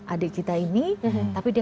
adik kita ini tapi dia